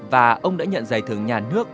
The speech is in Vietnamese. và ông đã nhận giải thưởng nhà nước